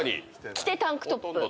着てタンクトップ。